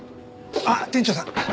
あっ店長さん！